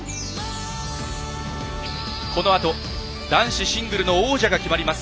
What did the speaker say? このあと男子シングルの王者が決まります